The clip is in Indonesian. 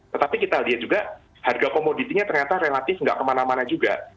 tetapi kita lihat juga harga komoditinya ternyata relatif nggak kemana mana juga